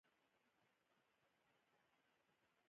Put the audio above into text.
اوبه د وطن غیږه شنه کوي.